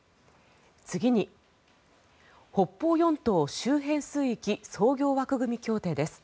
次に北方四島周辺水域操業枠組協定です。